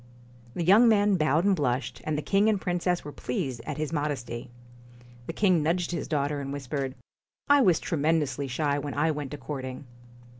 The young man bowed and blushed; and the king and princess were pleased at his modesty. The king nudged his daughter, and whispered: *I was tremendously shy when I went a courting.'